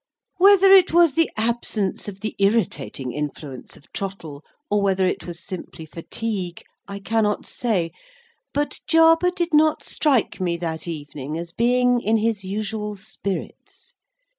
Whether it was the absence of the irritating influence of Trottle, or whether it was simply fatigue, I cannot say, but Jarber did not strike me, that evening, as being in his usual spirits.